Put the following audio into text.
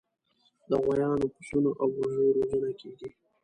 د غویانو، پسونو او وزو روزنه کیږي.